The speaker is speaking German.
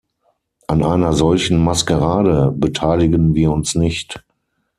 An einer solchen Maskerade beteiligen wir uns nicht.